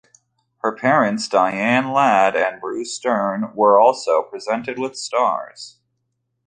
Her parents, Diane Ladd and Bruce Dern, were also presented with stars.